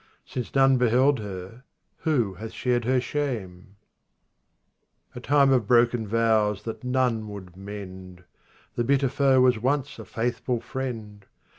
Since none beheld her, who hath shared her shame ? 31 time of broken vows that none would mend ! The bitter foe was once a faithful friend.